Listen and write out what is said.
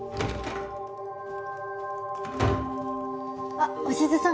あっ鷲津さん